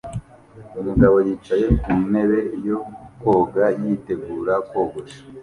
Umugabo yicaye ku ntebe yo kogosha yitegura kogosha